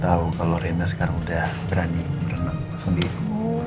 tau kalo reina sekarang udah berani berenang sama dirimu